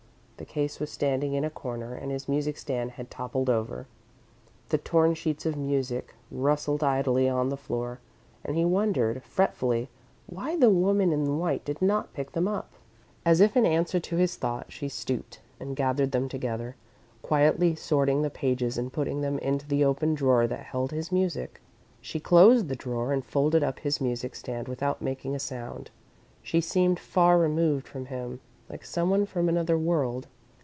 The case was standing in a corner and his music stand had toppled over. The torn sheets of music rustled idly on the floor, and he wondered, fretfully, why the woman in white did not pick them up. As if in answer to his thought, she stooped, and gathered them together, quietly sorting the pages and putting them into the open drawer that held his music. She closed the drawer and folded up his music stand without making a sound. She seemed far removed from him, like someone from another world.